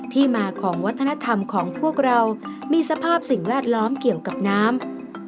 ที่มาของวัฒนธรรมของพวกเรามีสภาพสิ่งแวดล้อมเกี่ยวกับน้ำ